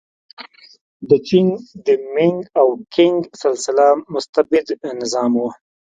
د چین د مینګ او کینګ سلسله مستبد نظام و.